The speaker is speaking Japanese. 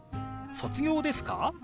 「卒業ですか？」。